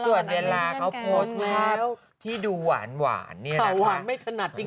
ส่วนเวลาเขาโพสต์ภาพที่ดูหวานเนี่ยนะหวานไม่ถนัดจริง